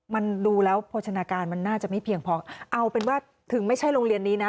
มันดูแล้วโภชนาการมันน่าจะไม่เพียงพอเอาเป็นว่าถึงไม่ใช่โรงเรียนนี้นะ